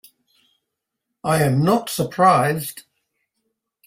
I am not surprised.